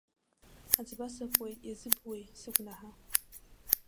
Аӡба сакуеит, иазыбуеи сыгәнаҳа.